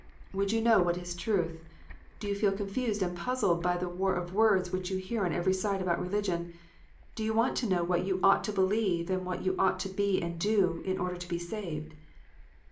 Would you know what is truth 1 Do you feel con fused and puzzled by the war of words which you near on every side about religion ? Do you want to know what you ought to believe, and what you ought to be and do, in order to be saved